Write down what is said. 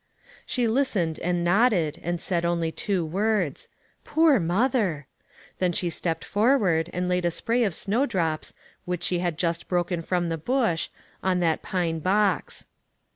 She listened, and nodded, and said only two words :*' Poor mother !" Then she stepped forward, and laid a spray of snowdrops, which she had just broken from the bush, on that pine box.